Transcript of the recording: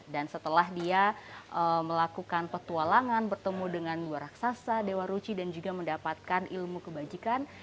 dan setelah dia melakukan petualangan bertemu dengan dua raksasa dewa ruci dan juga mendapatkan ilmu kebajikan